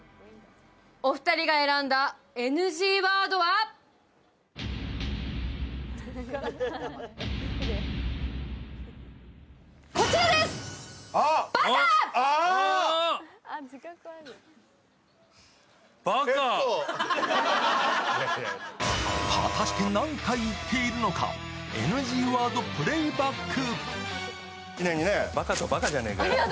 お二人が選んだＮＧワードは果たして、何回言っているのか、ＮＧワードプレイバック。